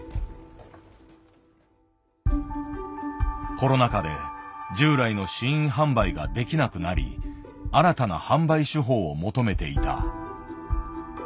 コロナ禍で従来の「試飲販売」ができなくなり新たな販売手法を求めていた。